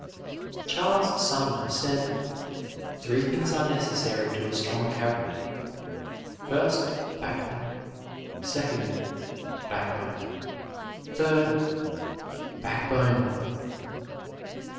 Charles Sumner said "three things are necessary to a strong character: First, backbone; second, backbone; third, backbone."